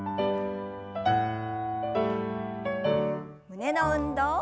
胸の運動。